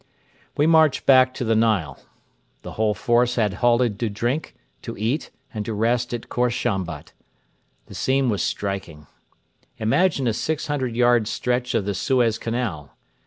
We marched back to the Nile. The whole force had halted to drink, to eat, and to rest at Khor Shambat. The scene was striking. Imagine a six hundred yards stretch of the Suez Canal.